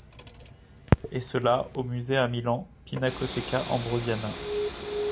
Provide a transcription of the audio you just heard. Et cela, au musée à Milan, Pinacoteca Ambrosiana.